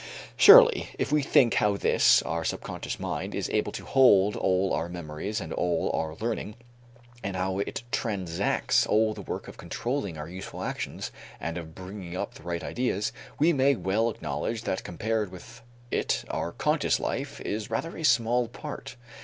Surely if we think how this, our subconscious mind, is able to hold all our memories and all our learning, and how it transacts all the work of controlling our useful actions and of bringing up the right ideas, we may well acknowledge that compared with it our conscious life is rather a small part.